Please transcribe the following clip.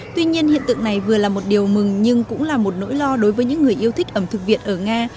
tuy nhiên hiện tượng này vừa là một điều mừng nhưng cũng là một nỗi lo đối với những người yêu thích ẩm thực việt ở nga